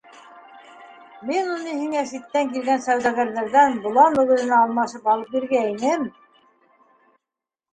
Мин уны һиңә ситтән килгән сауҙагәрҙәрҙән болан мөгөҙөнә алмашып алып биргәйнем...